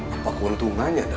apa keuntungannya dhanu